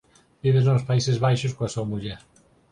Vive nos Países Baixos coa súa muller.